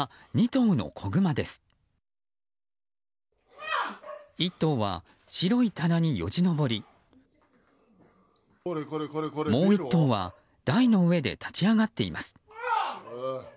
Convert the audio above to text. １頭は白い棚によじ登りもう１頭は台の上で立ち上がっています。